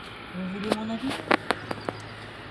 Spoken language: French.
Vous voulez mon avis ?